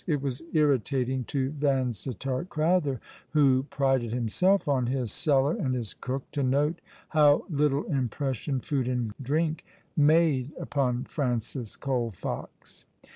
It was irritating to Vansittart Crowther, who prided himself on his cellar and his cook, to note how little impression food and drink made upon Francis Colfox.